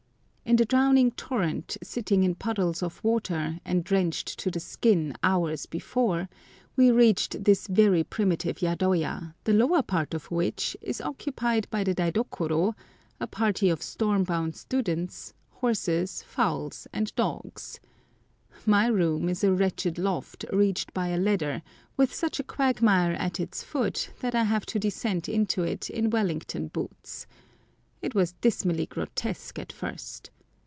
In the drowning torrent, sitting in puddles of water, and drenched to the skin hours before, we reached this very primitive yadoya, the lower part of which is occupied by the daidokoro, a party of storm bound students, horses, fowls, and dogs. My room is a wretched loft, reached by a ladder, with such a quagmire at its foot that I have to descend into it in Wellington boots. It was dismally grotesque at first.